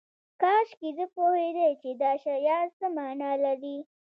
کاشکې زه پوهیدای چې دا شیان څه معنی لري